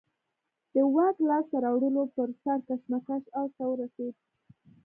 د واک لاسته راوړلو پر سر کشمکش اوج ته ورسېد